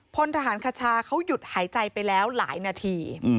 พลทหารคชาเขาหยุดหายใจไปแล้วหลายนาที